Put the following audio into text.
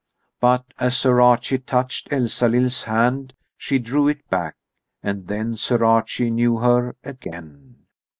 But as Sir Archie touched Elsalill's hand she drew it back, and then Sir Archie knew her again.